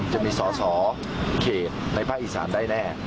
จะมีสอสอเขตในภาคอีสานได้แน่